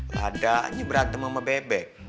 lada berantem ama bebek